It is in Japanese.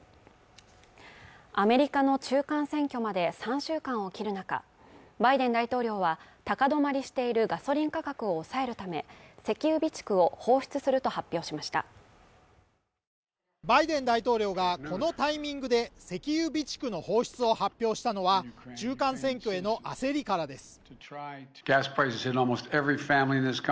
アメリカの中間選挙まで３週間を切る中バイデン大統領は高止まりしているガソリン価格を抑えるため石油備蓄を放出すると発表しましたバイデン大統領がこのタイミングで石油備蓄の放出を発表したのは中間選挙への焦りからです